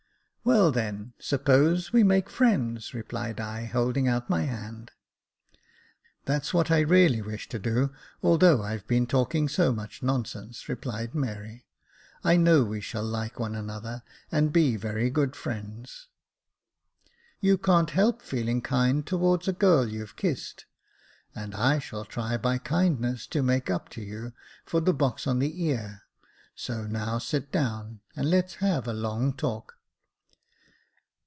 "Well, then, suppose we make friends," replied I, holding out my hand. " That's what I really wished to do, although I've been talking so much nonsense," replied Mary. " I know we shall like one another, and be very good friends. 196 Jacob Faithful You can't help feeling kind towards a girl you've kissed ; and I shall try by kindness to make up to you for the box on the ear ; so now sit down, and let's have a long talk.